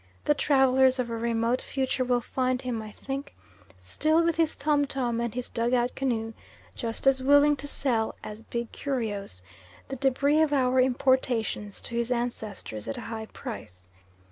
The travellers of a remote future will find him, I think, still with his tom tom and his dug out canoe just as willing to sell as "big curios" the debris of our importations to his ancestors at a high price.